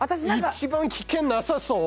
一番危険なさそう。